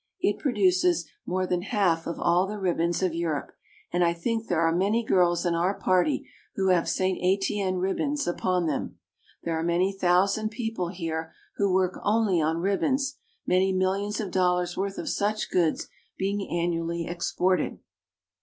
It produces more than half of all the ribbons of Europe, and I think there are many girls in our party who have St. Etienne ribbons upon them. There are many thousand people here who work only on ribbons, many millions of dollars worth of such goods being annually exported.